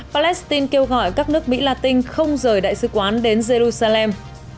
palestine kêu gọi các nước mỹ latin không rời đại sứ quán đến jerusalem